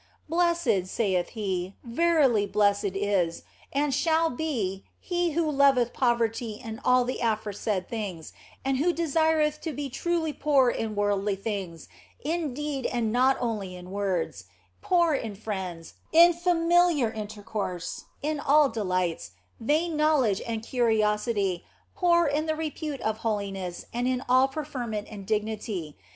Blessed (saith He), verily blessed is, and shall be, he who loveth poverty in all the aforesaid things and who desireth to be truly poor in worldly things, in deed and not only in words ; poor in friends, in familiar inter course, in all delights, vain knowledge and curiosity, poor in the repute of holiness and in all preferment and dignity.